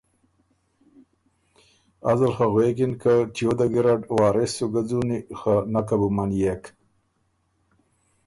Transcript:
ازل خه غوېکِن که چیو ده ګیرډ وارث سُو ګۀ ځُوني خه نکه بو منيېک